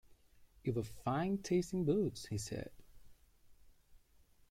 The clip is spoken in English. “You’ve a fine taste in boots,” he said.